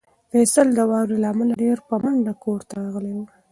فیصل د واورې له امله ډېر په منډه کور ته راغلی و.